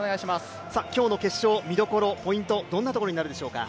今日の決勝見どころ、ポイントどんなところになるでしょうか。